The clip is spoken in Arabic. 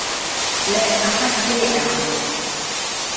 لا أحد جائع.